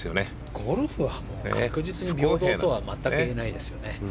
ゴルフは確実に平等とは全く言えないですよね。